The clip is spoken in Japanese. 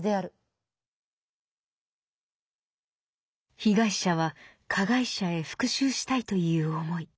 被害者は加害者へ復讐したいという思い